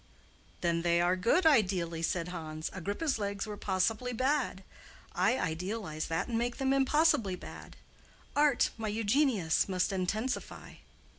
"Then they are good ideally," said Hans. "Agrippa's legs were possibly bad; I idealize that and make them impossibly bad. Art, my Eugenius, must intensify.